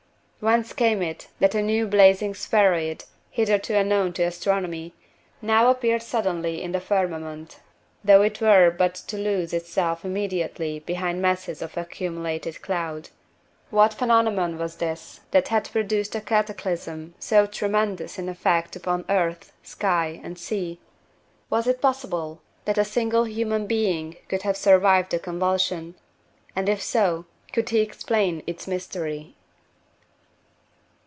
Whence came it that a new blazing spheroid, hitherto unknown to astronomy, now appeared suddenly in the firmament, though it were but to lose itself immediately behind masses of accumulated cloud? What phenomenon was this that had produced a cataclysm so tremendous in effect upon earth, sky, and sea? Was it possible that a single human being could have survived the convulsion? and if so, could he explain its mystery?